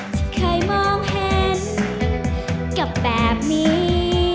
ที่เคยมองเห็นกับแบบนี้